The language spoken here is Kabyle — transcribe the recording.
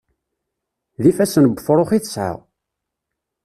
D ifassen n wefṛux i tesɛa.